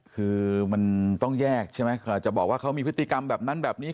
คือมันต้องแยกใช่ไหมจะบอกว่าเขามีพฤติกรรมแบบนั้นแบบนี้